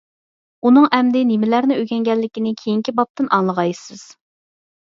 ئۇنىڭ ئەمدى نېمىلەرنى ئۆگەنگەنلىكىنى كېيىنكى بابتىن ئاڭلىغايسىز.